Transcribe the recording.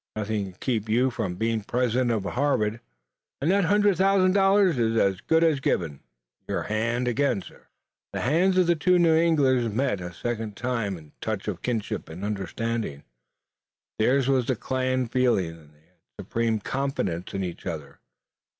Nothing can keep you from being president of Harvard, and that hundred thousand dollars is as good as given. Your hand again!" The hands of the two New Englanders met a second time in the touch of kinship and understanding. Theirs was the clan feeling, and they had supreme confidence in each other.